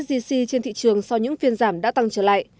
giá vàng sgc trên thị trường so với những phiên giảm đã tăng trở lại